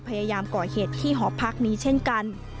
พยายามก่อเหตุที่หอพักนี้เช่นกัน